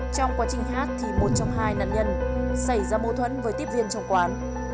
trong quá trình hát thì một trong hai nạn nhân xảy ra mâu thuẫn với tiếp viên trong quán